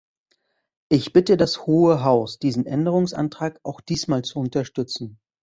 Ich bitte das Hohe Haus, diesen Änderungsantrag auch diesmal zu unterstützen.